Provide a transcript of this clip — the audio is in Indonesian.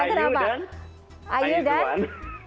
iu dan iu dan